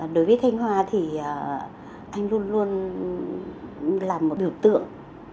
đối với thanh hoa thì anh luôn luôn là một biểu tượng